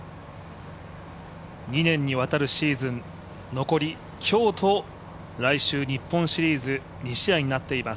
２年にわたるシーズン、残り今日と来週、日本シリーズになっています。